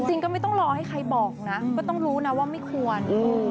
ก็ไม่ต้องรอให้ใครบอกนะก็ต้องรู้นะว่าไม่ควร